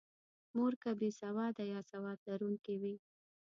مور که بې سواده یا سواد لرونکې وي.